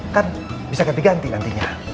kan bisa ganti ganti nantinya